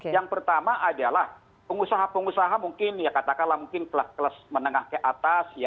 yang pertama adalah pengusaha pengusaha mungkin ya katakanlah mungkin kelas kelas menengah ke atas